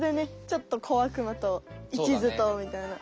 ちょっとこあくまといちずとみたいな。